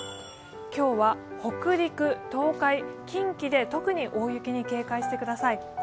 今日は北陸、東海、近畿で特に大雪に警戒してください。